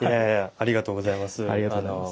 ありがとうございます。